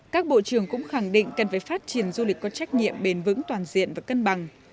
các bộ trưởng cũng khẳng định cần phải phát triển du lịch có trách nhiệm bền vững toàn diện và cân bằng